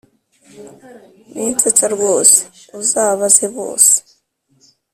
winsetsa rwose!! uzabaze bose